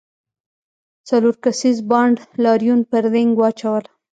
څلور کسیز بانډ لاریون پر دینګ واچوله.